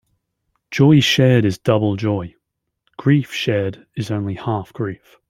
Joy shared is double joy; grief shared is only half grief.